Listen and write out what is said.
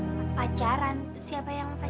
mau pacaran siapa yang pacaran